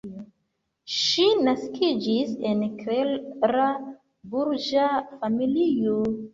Ŝi naskiĝis en klera burĝa familio.